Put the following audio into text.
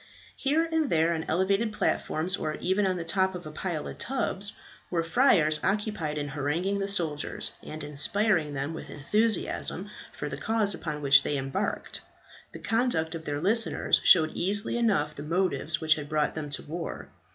Here and there, on elevated platforms, or even on the top of a pile of tubs, were friars occupied in haranguing the soldiers, and in inspiring them with enthusiasm for the cause upon which they were embarked. The conduct of their listeners showed easily enough the motives which had brought them to war.